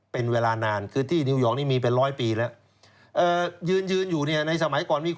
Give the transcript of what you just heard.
เป็นเวลานานคือที่นิวยอร์คนี่มีเป็น๑๐๐ปีแล้ว